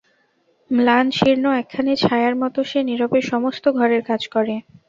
ম্লান, শীর্ণ একখানি ছায়ার মত সে নীরবে সমস্ত ঘরের কাজ করে।